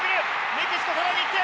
メキシコ更に１点！